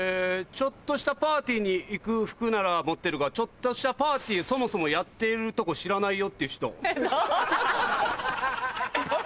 ちょっとしたパーティーに行く服なら持ってるがちょっとしたパーティーをそもそもやっているとこ知らないよっていう人。